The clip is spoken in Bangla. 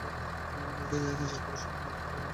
নইলে নিজের প্রতি সম্মান রাখতে পারব না।